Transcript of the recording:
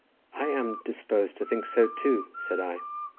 "I am disposed to think so too," said I.